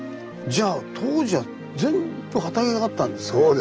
じゃあ当時は全部畑があったんですね。